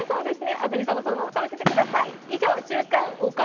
安住さんもそのまま食べていてください。